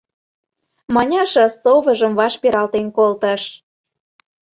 — Маняша совыжым ваш пералтен колтыш.